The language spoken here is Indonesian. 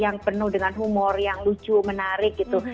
yang penuh dengan humor yang lucu menarik gitu